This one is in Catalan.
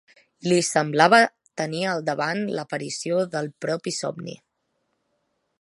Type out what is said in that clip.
L’hi semblava tenir al davant l'aparició del propi somni.